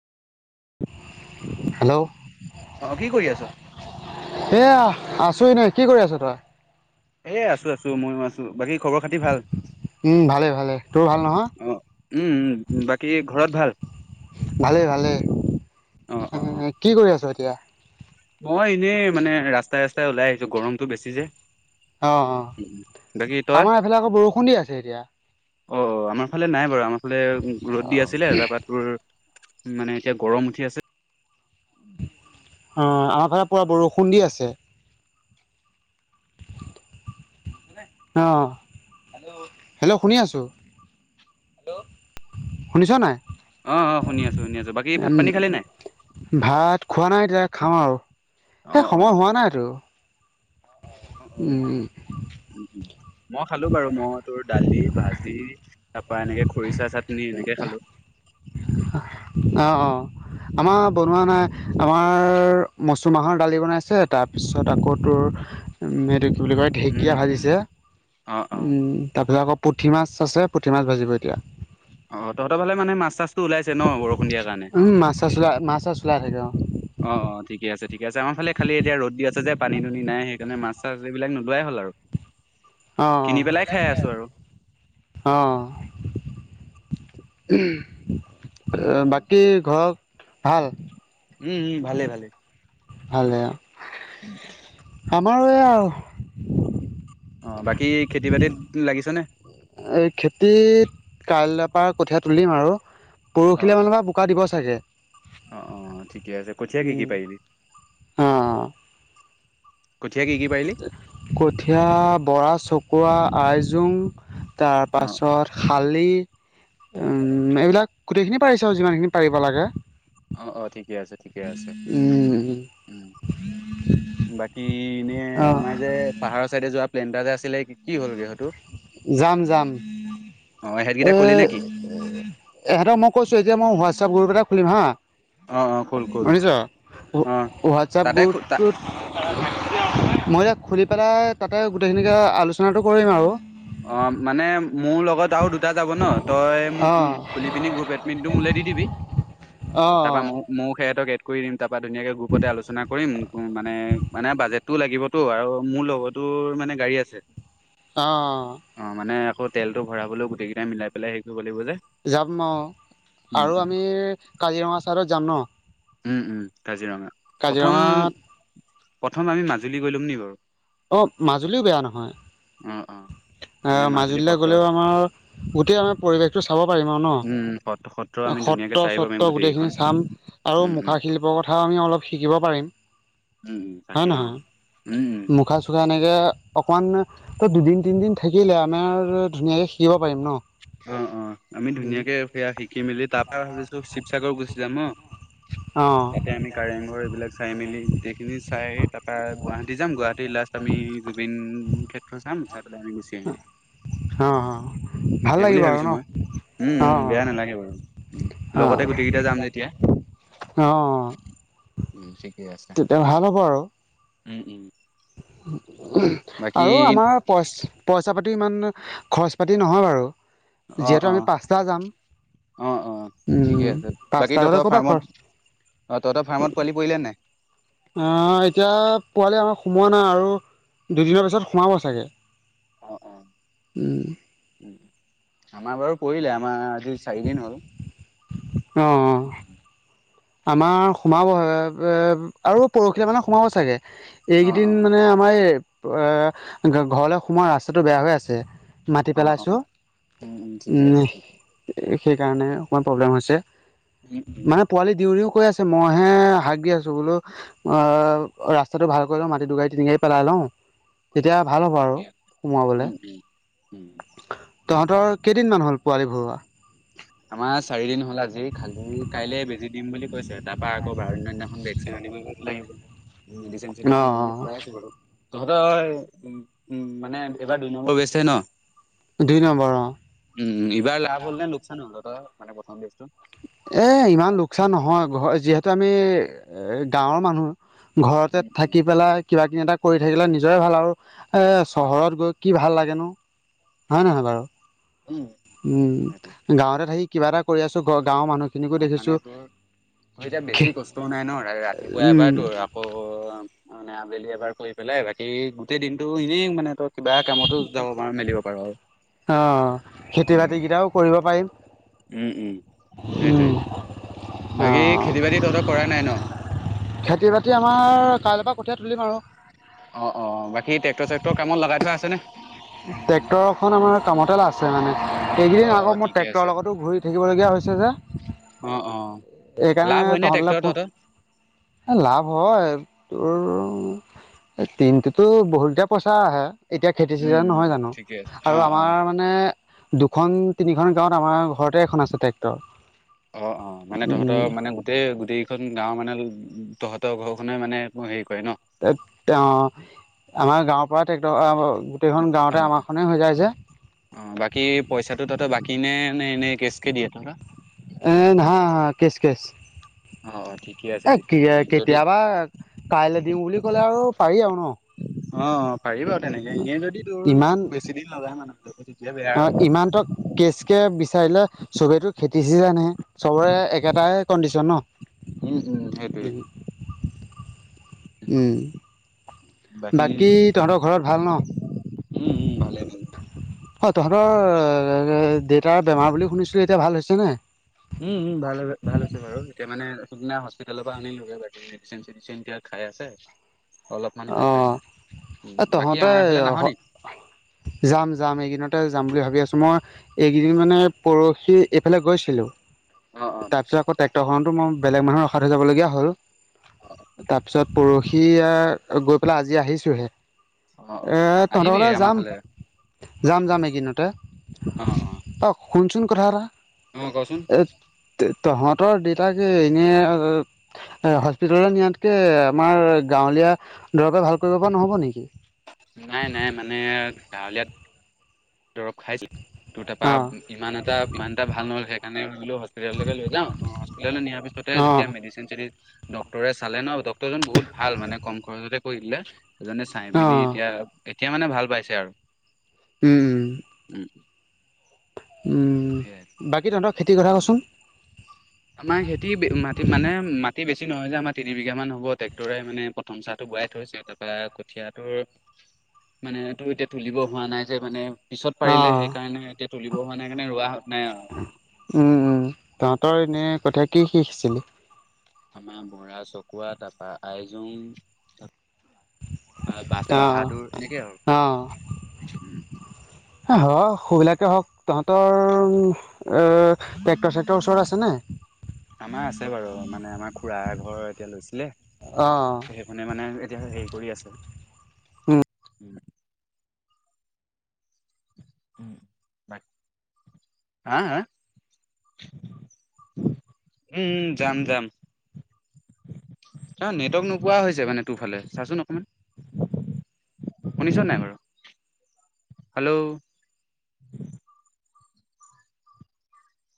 Hello অ' কি কৰি আছ? এয়া আছোঁ এনে, কি কৰি আছ তই? এ আছো আছো ময়ো আছো, বাকী খবৰ খাতি ভাল? ভালেই ভালেই তোৰ ভাল নহয় অ' উম' উম' বাকী ঘৰত ভাল? ভালেই ভালেই, অ অ কি কৰি আছ এতিয়া? মই এনেই মানে ৰাস্তাই ৰাস্তাই ওলাই আহিছো, গৰমটো বেছি যে। অঁ অঁ বাকী তই? আমাৰ এইফালে আকৌ বৰষুণ দি আছে এতিয়া অ আমাৰ ফালে নাই বাৰু আমাৰ ফালে ৰ'দ দি আছিলে তাৰপৰা ৰ' মানে এতিয়া গৰম উঠি আছে অ আমাৰ ফালে পুৰা বৰষুণ দি আছে অ হেল্ল হেল্ল' শুনি আছোঁ শুনিছ নাই অঁ অঁ শুনি আছোঁ শুনি আছোঁ বাকী ভাত পানী খালি নাই ভাত খোৱা নাই এতিয়া খাম আৰু অ এই অ সময় হোৱা নাইতো উম উম উ মই খালোণ বাৰু মই তোৰ দালি, ভাজি তাৰ পৰা এনেকে খৰিচা চাতনি- নি এনেকে খালোঁ অ' অ' আমাৰ বনোৱা নাই আমাৰ মচুৰমাহৰ দালি বনাইছে তাৰপিছত আকৌ তোৰ উম সেইটো কি বুলি কয় উম ঢেঁকীয়া উম ভাজিছে অ অ তাৰপিছত আকৌ পুঠি মাছ আছে পুঠি মাছ ভাজিব এতিয়া অ তহঁতৰ ফালে মানে মাছ চাছটো ওলাইছে ন বৰষুণ দিয়াৰ কাৰণে তাৰপিছতে মাছ চাছ ওলায় থাকে অ অ অ ঠিকে আছে ঠিক আছে আমাৰ ফালে খালি এতিয়া ৰ'দ দি আছে যে পানী দুুনী নাই সেইকাৰণে মাছ চাছ এইবিলাক নোলোৱাই হ'ল আৰু অ অ কিনি পেলাই খাই আছো আৰু আ অ' অ' বাকী ঘৰত ভাল উম উম ভালে ভালে ভালে অ' উম আমাৰো এইয়া আৰু অ বাকী খেতি বাতিত লাগিছনে এই খেতিত কাইলৈ পৰা কঠিয়ীয়া তুলিম আৰু অ অ পৰহিলৈ মানুহ বোক কা দিব চাগে অ অ ঠিকে আছে কঠিয়া কি কি উম পাৰিলি অ কঠীয়া কি কি পাৰিলি কঠীয়া বৰা, চকোৱা, আইজোং অ তাৰপাছত শালি উ এইবিলাক গোটেইখিনি পাৰিছোঁ আৰু যিমানখিনি পাৰিব লাগে অ অ ঠিকে আছে ঠিকে আছে উম উম বাকী এনেই অ আমাৰ যে পাহাৰৰ চাইডে যোৱা প্লেনটা যে আছিলে কি হ'ল গে সেই টো যাম যাম অ সেইকেইটা এ কলি নে কি এহঁতক মই কৈছোঁ য়ে এতিয়া মই হোৱাটছেপ গ্ৰুপ এটা খুলিম হা অ অ কল কল শুনিছ অ হোৱাটছেপ তাতে তা গ্ৰুপটো মই এতিয়া খুলি পেলাই তাতে গোটেইখিনিকে আলোচনাটো কৰিম আৰু অ মানে মোৰ লগত আৰু দুটা যাব ন তই মোক অঁ খুলি পিনি গ্ৰুপ এডমিটটো মোলৈ দি দিবি [unintelligible] অ তাৰপা অ মোক ময়ো সিহঁতক এড কৰি দিম তাৰ পৰা ধুনীয়াকে গ্ৰুপতে আলোচনা কৰিম মানে মানে বাজেট টো লাগিবতো আৰু মোৰ লগতো মানে গাড়ী আছে অঁ অঁ! মানে আকৌ তেলটো ভৰাবলৈও গোটেইকেইটা মিলাই পেলাই হেৰি কৰিব লাগিব যে। যাম ন, উম, আৰু উম, আমি কাজিৰঙা ছাইদত যাম ন। উম-উম! কাজিৰঙা। কাজিৰঙাত প্ৰথম-প্ৰথম আমি মাজুলী গৈ লম নি বাৰু? অঁ! মাজুলীও বেয়া নহয়। উম-উম! অ মাজুলীলে গ'লেও আমাৰ গোটেই আমাৰ পৰিৱেশটো চাব পাৰিম আৰু ন'। উম, সত্ৰ সত্ৰ আমি ধুনীয়াকে চাই আহিব সত্ৰ-চত্ৰ পাৰিম গোটেইকেইখন গোটেইখিনি চাম আৰু উম, উম, মুখাশিল্প শিল্পৰ কথা অলপ শিকিব পাৰিম উম, উম, হয় তাকে অ', নহয়। উম, উম। মুখা ত এনেকৈ অকমান তোৰ দুদিন, তিনিদিন থাকিলে আমি আৰু ধুনীয়াকে শিকিব পাৰিম ন'। অঁ-অঁ! আমি ধুনীয়াকে সেয়া শিকি মেলি তাৰ ভাবিছো শিৱসাগৰ গুচি যাম ন। অঁ! তাতে আমি কাৰেংঘৰ এইবিলাক চাই মেলি গোটেইখিনি চাই তাৰপা গুৱাহাটী যাম, গুৱাহাটীৰ লাষ্ট আমি জুবিন ক্ষেত্ৰ চাম, চাই পেলাই আমি গুচি আহিম। অঁ-অঁ! ভাল লাগিব আৰু ন'। অ অ। উম-উম! বেয়া নালাগে বাৰু, লগতে গোটেই কেইটা যাম যেতিয়া। অঁ-অঁ! উম ঠিকেই আছে। আৰু উম-উম! [unintelligible] আৰু আমাৰ পইচ পইচা পাতি ইমান খৰচ পাতি নহয় বাৰু। যিহেতু আমি পাঁচটা যাম। অঁ-অঁ! ঠিকে উম আছে। পাঁচটা বাকী গ'লে তহঁতৰ ক'ৰ পৰা খৰচ ফাৰ্মত অঁ তহঁতৰ ফাৰ্মত পোৱালি পৰিলে নাই? অঁ! এতিয়া পোৱালি আমাৰ সোমোৱা নাই আৰু দুদিনৰ পিছত সোমাব চাগে। অ', অ', উম! আমাৰ বাৰু পৰিলে আমাৰ আজি চাৰি দিন হ'ল। অঁ-অঁ! আমাৰ সোমাবহে এ আৰু পৰহিলে মানে সোমাব চাগে। অ', এইকেইদিন অ', মানে আমাৰ এই আহ ঘৰলে সোমোৱা ৰাস্তাটো বেয়া হৈ আছে। মাতি অঁ-অঁ! পেলাইছোঁ উম-উম ঠিকে আছে, উম ঠিক আছে। সেইকাৰণে হে অকমান প্ৰব্লেম হৈছে। মানে [unintelligible] পোৱালি দিওঁ-দিওঁ কৈ আছে মইহে হাক দি আছোঁ বোলো অঁ! ৰাস্তাটো ভাল কৰি লওঁ মাটি দুগাড়ী, তিনি গাড়ী পেলাই লওঁ। তেতিয়া ভাল হ'ব আৰু ঠিকে আছে সোমাবলে। উম উম উম তহঁতৰ কেইদিনমান হ'ল পোৱালি ভৰুৱা? আমাৰ চাৰি দিন হ'ল। আজি খালি কাইলে বেজি দিম বুলি কৈছে, তাৰপা আকৌ বাৰ দিনৰ দিনাখন ভেকচিন আনিব গৈ লাগিব। মেডিচিন-চেডিচিন অঁ এইখিনি অঁ খোৱাই আছোঁ বাৰু। তহঁতৰ উম-উম মানে এইবাৰ দুই নম্বৰ বেছটো হে ন'? দুই নম্বৰ অঁ। উম! সিবাৰ লাভ হ'ল নে লোকচান হ'ল তহঁতৰ মানে প্ৰথম বেছটো? এই ইমান লোকচান নহয় ঘৰ যিহেতু আমি গাঁৱৰ মানুহ। ঘৰতে উম উম থাকি পেলাই কিবাকিবি এটা কৰি থাকিলে নিজৰে ভাল আৰু এ অ চহৰত গৈ কি ভাল লাগেনো অ হয় নহয় বাৰু? উম উম! সেইটোৱে গাঁৱতে থাকি কিবা এটা কৰি আছোঁ ঘৰৰ গাঁৱৰ মানুহ সেই কাৰণে তোৰ [unintelligible] তোৰ এতিয়া খে বেছি কষ্ট নাই ন' ৰাতিপুৱা উম এবাৰ ত অ, মানে আবেলি এবাৰ কৰি পেলাই বাকী গোটেই দিনতটো এনেই মানে তোৰ বেয়া কামতো যাব পাৰ মেলিব পাৰ আৰু। অঁ, খেতি উম বাতি কেইটাও কৰিব পাৰিম। উম উম, সেইটোৱে উম অ বাকী খেতি বাতি তহঁতৰ কৰা নাই ন? খেতি বাতি আমাৰ কাইলৈ পৰা কঠিয়া তুলিম আৰু। অ অ‍ঁ, বাকী ট্ৰেক্টৰ চেক্টৰ কামত লগাই থোৱা আছেনে? ট্ৰেক্টৰখন আমাৰ কামতে লাগছে আছে মানে। অ এইকেইদিন অ আকৌ মোৰ ঠিকে আছে ট্ৰেক্টৰৰ লগতো ঘূৰি থাকিবলগীয়া হৈছে যে। অঁ অঁ, এইকাৰণে লাভ হয় নে তহঁতলৈ ট্ৰেক্টৰৰ ফোন তহঁতৰ? লাভ হয় তোৰ তিনটোতো বহুত পইচা আহে, এতিয়া খেতি উম চিজন উম নহয় জানো ঠিকে আছে অ আৰু অ। আমাৰ মা নে দুখন তিনিখন গাঁৱত আমাৰ ঘৰতে এখন আছে ট্ৰেক্টৰ। অ অঁ মানে তহঁতৰ উম, মানে গোটেই গোটেইকেইখন গাঁওৰ মানে তহঁতৰ ঘৰখনেই মানে এক হেৰি কৰে ন'। অঁ ত, আমাৰ গাঁৱৰ পৰা ট্ৰেক্টৰ গোটেইখন গাঁৱতে আমাৰখনেই হৈ যায় যে। অঁ, বাকী পইচাটো তহঁত বাকী নে, নে এনেই কেচ কে দিয়ে তহঁতৰ? এ নহয় নহয় কেচ কেচ। অঁ, ঠিকে আছে তেতিয়া মানে যদি হয়। কাইলৈ দিম বুলি ক'লে আৰু পাৰি আৰু ন'। অঁ, পাৰি বাৰু তেনেকে এনেই যদি তোৰ বেছি দিন নাযায় মানে তেতিয়া বেয়া হ'ব। অঁ, ইমানটক কেচ কে বিচাৰিলে চবেইেতো খেতি চিজানহে, চবৰে একেটাই কণ্ডিচন ন'। উম উম সেইটোৱেই। উম। বাকী তহঁতৰ ঘৰত ভাল ন? উম, উম, ভালে ভালে হয় তহঁতৰ দেউতাৰ বেমাৰ বুলি শুনিছিলোঁ এতিয়া ভাল হৈছেনে নাই? উম উম ভাল ভাল হৈছে বাৰু এতিয়া মানে সিদিনা হস্পিটেলৰ পৰা আনিলোগে বাকি এক্সেঞ্জ মেডিচিন এতিয়া খাই আছে, অলপমান ভাল পাইছে অ' উম, এ বাকী তহঁতে আমাৰ ফালে নাহ নি? [inaudible] যাম যাম এইকিদিনতে যাম বুলি ভাবি আছোঁ। মই এইকেইদিন মানে পৰহি এইফালে গৈছিলো। অ', অ', তাৰপিছত আকৌ ট্ৰেক্টৰখনতো মই বেলেগ মানুহৰ ৰখাই থয় যাব লগীয়া হ'ল। অ', তাৰপিছত পৰখি এ গৈ পেলাই আজি আহিছোহে। অ', অ', এ তহঁতৰ আহিবি ফালে আমাৰ যাম যাম যাম এইকিদিনতে। অঁ অঁ। শুনচোন কথা এটা, এ তহঁতৰ দেতা কি এনেই এ হস্পিতাললৈ নিয়াতকে আমাৰ গাঁৱলীয়া দৰবে ভাল কৰিব পৰা নহব নেকি? নাই নাই মানে গাৱলিয়াত দৰৱ খাইছিল, তোৰ অ', তাৰপৰা ইমান এটা ইমান এটা ভাল নহ'ল সেইকাৰণে বোলো হস্পিতেললৈকে লৈ যাও, তাত হস্পিটালে নিয়াৰ পিছতে অ', যেতিয়া মডিচিন চেডিছেন ডক্টৰে চালে ন, ডক্টৰজন বহুত ভাল মানে কম খৰচতে কৰি দিলে। সেইজনে চাই পিনি অ', এতিয়া এতিয়া মানে ভাল পাইছে আৰু। উম, [unintelligible] উম, সেয়াই বাকী তহতৰ খেতিৰ কথা কচোন? আমাৰ খেতি মাটি মানে মাটি বেছি নহয় যে আমাৰ তিনি বিঘামান হ'ব ট্ৰেক্টৰে মানে প্ৰথম চাহটো বোৱাই থৈছে তাৰপৰা কঠিয়াটোৰ মানে এইটো এতিয়া তুলিব হোৱা নাই যে মানে পিছত পাৰিলে অ', সেইকাৰণে এতিয়া তুলিব হোৱা নাই কাৰণে ৰোৱা [unintelligible] নাই আৰু। উম-উম তহঁতৰ এনে কঠিয়া কি শিচিছিলি? আমাৰ বৰা, চকুৱা তাৰপা আইজোং বা-বাদ অ', -বাহাদুৰ এনেকেই আৰু। এ হয় সৌবিলাকেই হওক তহঁতৰ অ, টেক্টৰ-চেক্টৰ ওচৰত আছে নে? আমাৰ আছে বাৰু মানে আমাৰ খুৰাৰ ঘৰৰ এতিয়া অ'। লৈছিলে। মানে-মানে এতিয়া হেৰি কৰি আছে। [unintelligible] উম, যাম-যাম। অ, নেটৱৰ্ক নোপোৱা হৈছে মানে তোৰফালে চাচোন অকমান শুনিছ নাই বাৰু হেল্ল',?